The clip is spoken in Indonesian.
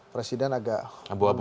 presiden agak abu abu